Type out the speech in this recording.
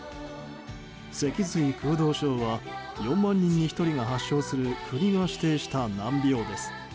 脊髄空洞症は４万人に１人が発症する国の指定した難病です。